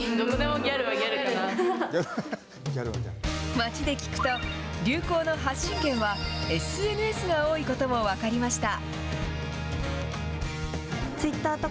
街で聞くと、流行の発信源はＳＮＳが多いことも分かりました。